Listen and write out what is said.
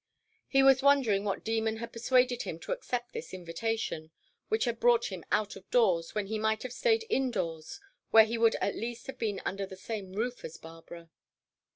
He was wondering what demon had persuaded him to accept this invitation, which had brought him out of doors, when he might have stayed indoors where he would at least have been under the same roof as Barbara.